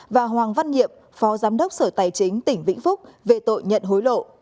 và hoàng văn nhiệm phó giám đốc sở tài chính tỉnh vĩnh phúc về tội nhận hối lộ